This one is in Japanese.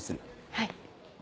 はい。